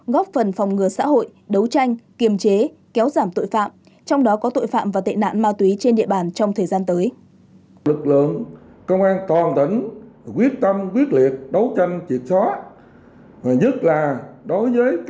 góp phần phòng ngừa xã hội đấu tranh kiềm chế kéo giảm tội phạm trong đó có tội phạm và tệ nạn ma túy trên địa bàn trong thời gian tới